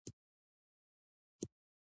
کارغه ډیر هوښیار مرغه دی